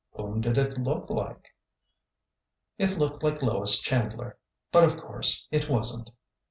" Whom did it look like ?" It looked like Lois Chandler. But, of course, it was n't."